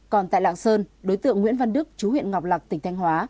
còn tại lạng sơn đối tượng nguyễn văn đức chú huyện ngọc lạc tỉnh thanh hóa